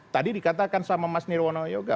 tadi dikatakan sama mas nirwono yoga